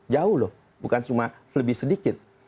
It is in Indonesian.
jauh loh bukan cuma lebih sedikit